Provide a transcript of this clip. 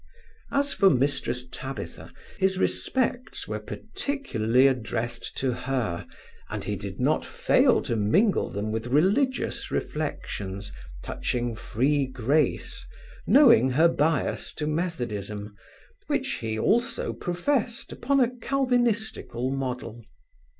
As for Mrs Tabitha, his respects were particularly addressed to her, and he did not fail to mingle them with religious reflections, touching free grace, knowing her bias to methodism, which he also professed upon a calvinistical model.